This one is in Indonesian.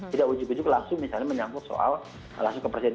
tidak ujuk ujuk langsung misalnya menyangkut soal langsung ke presiden